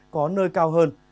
có nơi cao hơn